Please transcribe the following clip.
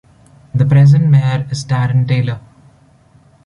The present mayor is Darin Taylor.